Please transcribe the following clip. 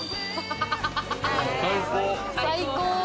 最高！